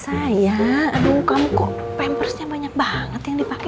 sayang aduh kamu kok pampersnya banyak banget yang dipake